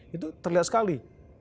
itu terlihat sekali